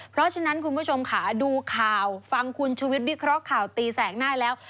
เพราะฉะนั้นคุณผู้ชมค่ะดูข่าวฟังคุณชุวิตวิเคราะห์ข่าวตีแสกหน้าแล้ว